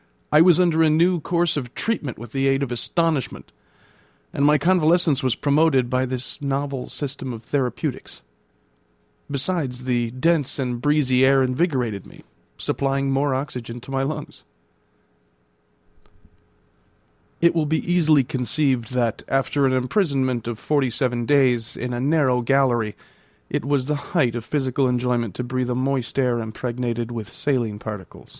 I was under a new course of treatment with the aid of astonishment, and my convalescence was promoted by this novel system of therapeutics; besides, the dense and breezy air invigorated me, supplying more oxygen to my lungs. It will be easily conceived that after an imprisonment of forty seven days in a narrow gallery it was the height of physical enjoyment to breathe a moist air impregnated with saline particles. One hundred and twenty.